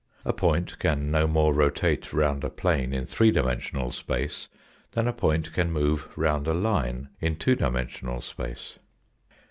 A point can no more rotate round a plane in three dimensional space than a point can move round a line in two dimensional space.